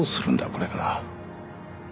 これから。